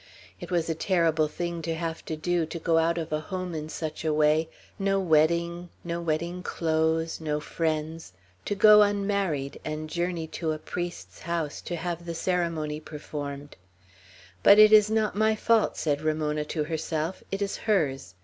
It was a terrible thing to have to do, to go out of a home in such a way: no wedding no wedding clothes no friends to go unmarried, and journey to a priest's house, to have the ceremony performed; "but it is not my fault," said Ramona to herself; "it is hers.